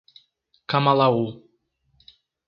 Camalaú